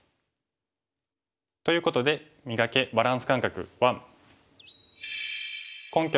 ということで「磨け！バランス感覚１」。